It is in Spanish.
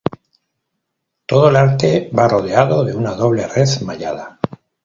Todo el arte va rodeado de una doble red mallada.